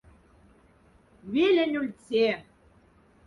Велень ульця.